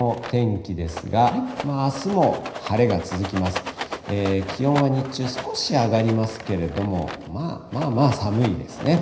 気温は日中、少し上がりますけれども、まあまあ寒いですね。